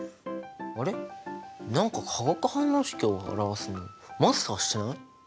あれ何か化学反応式を表すのマスターしてない？